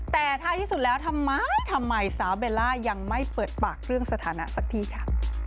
แต่ท้ายที่สุดแล้วทำไมทำไมสาวเบลล่ายังไม่เปิดปากเรื่องสถานะสักทีค่ะ